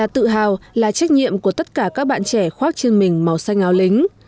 thao là trách nhiệm của tất cả các bạn trẻ khoác trên mình màu xanh áo lính